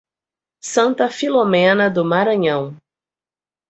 Santa Filomena do Maranhão